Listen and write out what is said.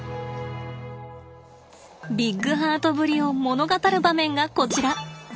ビッグハートぶりを物語る場面がこちら。